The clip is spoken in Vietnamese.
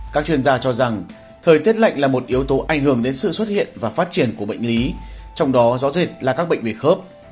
các chuyên gia cho rằng thời tiết lạnh là một yếu tố ảnh hưởng đến sự xuất hiện và phát triển của bệnh lý trong đó rõ rệt là các bệnh về khớp